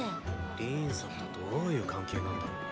リーンさんとどういう関係なんだろう？